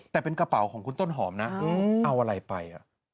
แต่เป็นกระเป๋าของคุณต้นหอมนะเอาอะไรไป